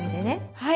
はい。